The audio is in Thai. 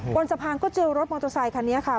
บนสะพานก็เจอรถมอเตอร์ไซคันนี้ค่ะ